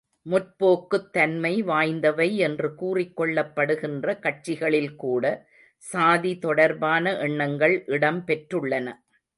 முற்போக்குத் தன்மை வாய்ந்தவை என்று கூறிக்கொள்ளப்படுகின்ற கட்சிகளில்கூட சாதி தொடர்பான எண்ணங்கள் இடம் பெற்றுள்ளன.